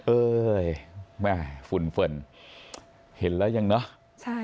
เอ้ยฝุ่นเห็นแล้วยังเนอะ